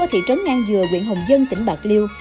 ở thị trấn ngang dừa quyện hồng dân tỉnh bạc liêu